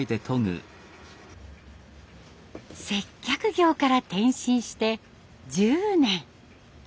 接客業から転身して１０年。